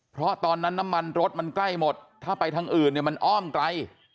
เพราะตอนนั้นน้ำมันรถมันใกล้หมดถ้าไปทางอื่นเนี่ยมันอ้อมไกล